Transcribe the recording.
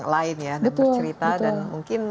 lain ya dan bercerita dan mungkin